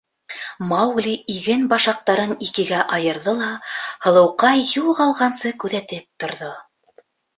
Маугли иген башаҡтарын икегә айырҙы ла һылыуҡай юғалғансы күҙәтеп торҙо.